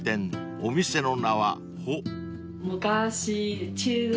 ［お店の名は帆］